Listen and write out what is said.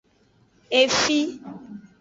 Efi.